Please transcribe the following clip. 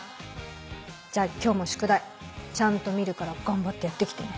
じゃあ今日も宿題ちゃんと見るから頑張ってやって来てね。